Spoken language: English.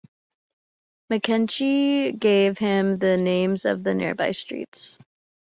McKechnie gave him the names of the nearby streets.